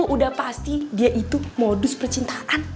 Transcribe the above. udah pasti dia itu modus percintaan